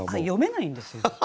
読めないんですよ。